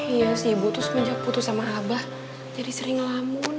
iya sih ibu tuh semenjak putus sama abah jadi sering lamun